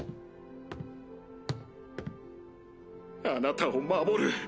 あなたを守る。